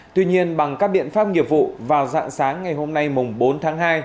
tuy nhiên bằng các biện pháp nghiệp vụ vào dạng sáng ngày hôm nay bốn tháng hai